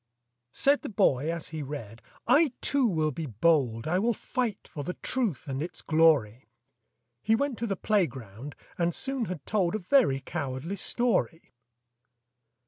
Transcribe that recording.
Said the boy as he read, "I too will be bold, I will fight for the truth and its glory!" He went to the playground, and soon had told A very cowardly story!